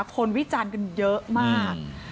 คนวิจันทร์กันเยอะมาก